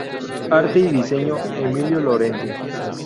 Arte y diseño: Emilio Lorente.